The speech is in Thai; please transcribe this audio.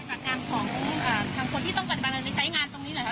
เอ่อคังคนที่ต้องปฏิบัติการในไซส์งานตรงนี้แล้ว